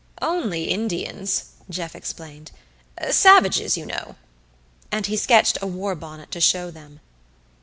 "Only Indians," Jeff explained. "Savages, you know." And he sketched a war bonnet to show them.